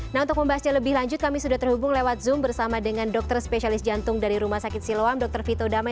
nah untuk membahasnya lebih lanjut kami sudah terhubung lewat zoom bersama dengan dokter spesialis jantung dari rumah sakit siloam dr vito damai